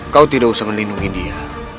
kau tidak usah melindungi dia